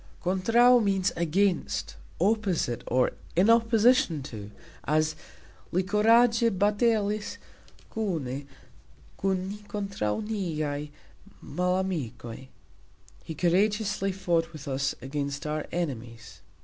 "Kontraux" means "against, opposite", or "in opposition to" as "Li kuragxe batalis kune kun ni kontraux niaj malamikoj", He courageously fought with us against our enemies.